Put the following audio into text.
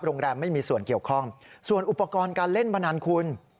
ไม่มีส่วนเกี่ยวข้องส่วนอุปกรณ์การเล่นพนันคุณ